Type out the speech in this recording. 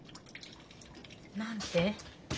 何て？